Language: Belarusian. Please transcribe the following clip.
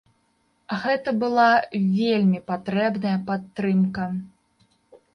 Гэта была вельмі патрэбная падтрымка.